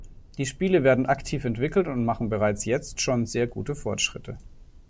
Die Spiele werden aktiv entwickelt und machen bereits jetzt schon sehr gute Fortschritte.